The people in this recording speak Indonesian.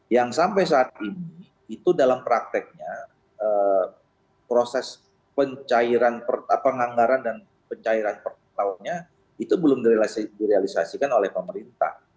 yang sampai saat ini itu dalam prakteknya proses pencairan dan pencairan per tahunnya itu belum direalisasikan oleh pemerintah